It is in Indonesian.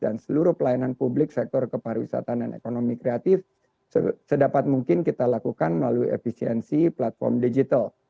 dan seluruh pelayanan publik sektor kepariwisataan dan ekonomi kreatif sedapat mungkin kita lakukan melalui efisiensi platform digital